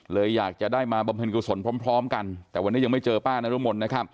เลยอยากจะได้มาบรรพิกุศลพร้อมกันแต่วันนี้ยังไม่เจอป้านร่วม